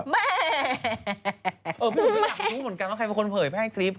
เออพี่หนูไม่รู้เหมือนกันว่าใครเป็นคนเปิดแพร่แพร่คลิป